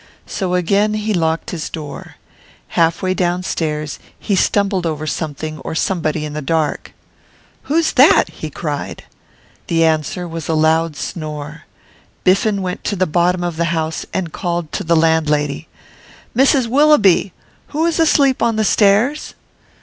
So again he locked his door. Half way downstairs he stumbled over something or somebody in the dark. 'Who is that?' he cried. The answer was a loud snore. Biffen went to the bottom of the house and called to the landlady. 'Mrs Willoughby! Who is asleep on the stairs?